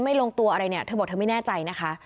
เธอบอกว่าเธอไม่แน่ใจนะคะ